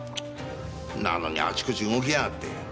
なのにあちこち動きやがって。